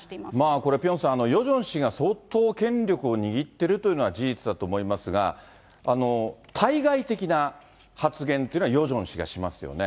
これ、ピョンさん、ヨジョン氏が相当権力を握ってるというのは事実だと思いますが、対外的な発言というのはヨジョン氏がしますよね。